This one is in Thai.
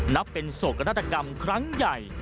นับเป็นโศกนาฏกรรมครั้งใหญ่